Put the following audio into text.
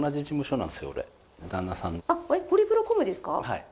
はい。